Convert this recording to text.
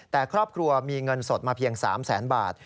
แต่ครอบครัวมีเงินสดมาเพียง๓แสนบาท